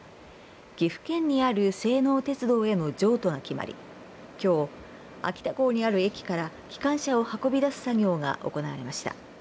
岐阜県にある西濃鉄道への譲渡が決まりきょう、秋田港にある駅から機関車を運び出す作業が行われました。